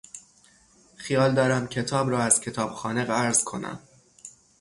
خیال دارم کتاب را از کتابخانه قرض کنم.